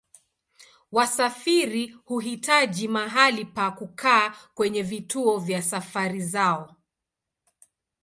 Wasafiri huhitaji mahali pa kukaa kwenye vituo vya safari zao.